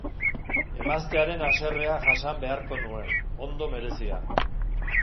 Emaztearen haserrea jasan beharko nuen, ondo merezia.